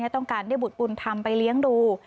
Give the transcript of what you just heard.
ต้องการได้บุตรบุญธรรมไปเลี้ยงดู